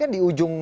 tapi di ujung